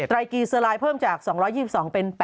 ๕๗ไตรกีซาลายเพิ่มจาก๒๒๒เป็น๘๐๑